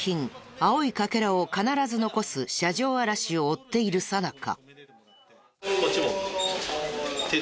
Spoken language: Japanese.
青い欠片を必ず残す車上荒らしを追っているさなか。